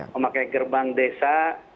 memakai gerbang desa